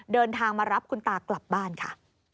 เดินทางมารับคุณตากลับบ้านค่ะ